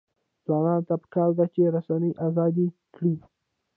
ځوانانو ته پکار ده چې، رسنۍ ازادې کړي.